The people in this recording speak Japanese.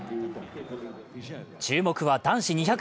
注目は男子２００ｍ。